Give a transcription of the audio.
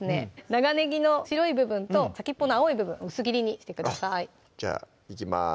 長ねぎの白い部分と先っぽの青い部分薄切りにしてくださいじゃあいきます